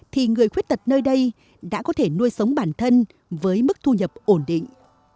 thì người khuyết tật nơi đây đã có thể nuôi sống bản thân với mức thu nhập ổn định